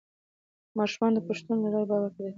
ماشومان د پوښتنو له لارې باور پیدا کوي